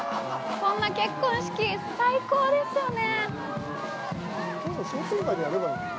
こんな結婚式、最高ですね！